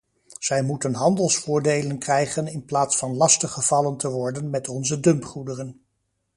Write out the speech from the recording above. Zij moeten handelsvoordelen krijgen in plaats van lastiggevallen te worden met onze dumpgoederen.